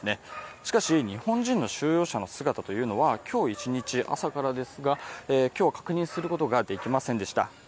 しかし、日本人の収容者の姿というのは今日一日、朝からですが、今日は確認することができませんでした。